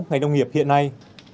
ngành nông nghiệp hiện nay